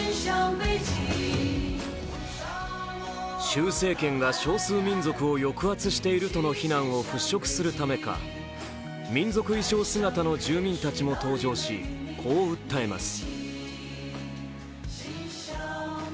習政権が少数民族を抑圧するとの非難をふっしょくするためか民族衣装姿の住民たちも登場しこう訴えます。